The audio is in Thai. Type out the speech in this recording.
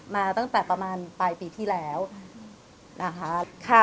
มาตั้งแต่ประมาณปลายปีที่แล้วนะคะ